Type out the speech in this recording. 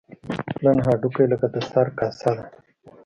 پلن هډوکي لکه د سر کاسه ده.